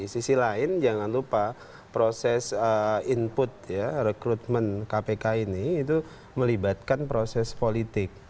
sisi lain jangan lupa proses input ya rekrutmen kpk ini itu melibatkan proses politik